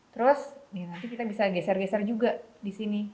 terus nanti kita bisa geser geser juga di sini